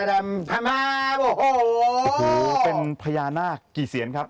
โอ้โหเป็นพญานาคกี่เสียนครับ